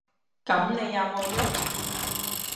噉你有無郁？